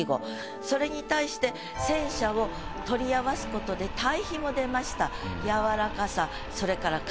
それに対して「戦車」を取り合わすことで対比も出ました。